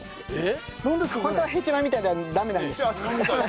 ホントはヘチマみたいなのダメなんですよ。